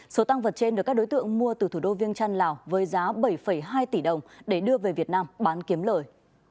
số tăng vật trên được các đối tượng mua từ thủ đô viêng trăn lào với giá bảy hai tỷ đồng để đưa về việt nam bán kiếm lời